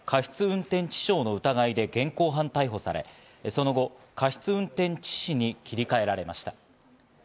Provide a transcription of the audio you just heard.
運転致傷の疑いで現行犯逮捕され、その後、過失運転致死に切り替えられました。